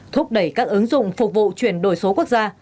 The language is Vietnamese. thúc đẩy các ứng dụng phục vụ chuyển đổi số quốc gia